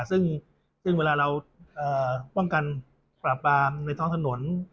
ซึ่งเวลาเราป้องกันปราบปรามในท้องถนน